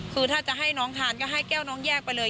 คือถ้าจะให้น้องทานก็ให้แก้วน้องแยกไปเลย